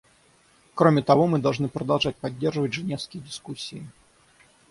Кроме того, мы должны продолжать поддерживать женевские дискуссии.